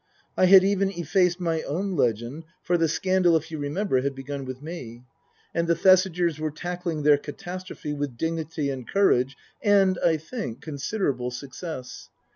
I had even effaced my own legend (for the scandal, if you remember, had begun with me). And the Thesigers were tackling their catastrophe with dignity and courage and, I think, considerable success.